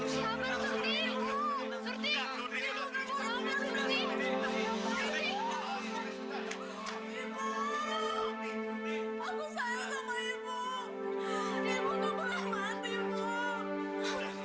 saya akan membunuh